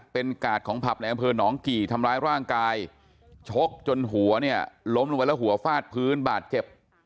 เป็นกาดของผับในอำเภอหนองกี่ทำร้ายร่างกายชกจนหัวเนี่ยล้มลงไปแล้วหัวฟาดพื้นบาดเจ็บ